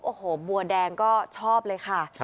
โอ้โหบัวแดงก็ชอบเลยค่ะ